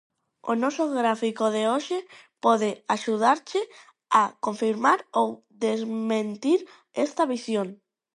O noso gráfico de hoxe pode axudarche a confirmar ou desmentir esta visión.